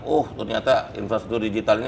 oh ternyata infrastruktur digital ini